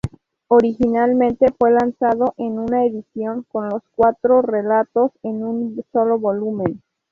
Originalmente fue lanzado en una edición con los cuatro relatos en un solo volumen.